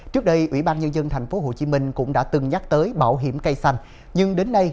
trước đây ubnd tp hcm cũng đã từng nhắc tới bảo hiểm cây xanh nhưng đến nay